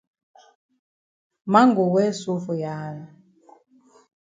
Man go well so for yi hand?